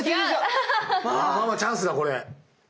ママチャンスだこれ！